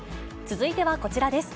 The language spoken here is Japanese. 続いてはこちらです。